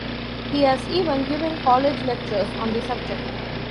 He has even given college lectures on the subject.